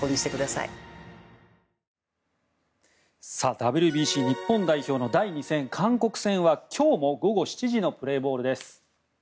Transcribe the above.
ＷＢＣ日本代表の第２戦韓国戦は今日の午後７時プレーボールです。